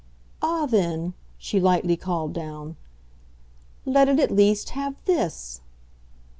"Ah, then," she lightly called down, "let it at least have THIS!"